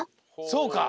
そうか。